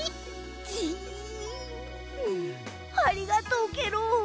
ジンありがとうケロ。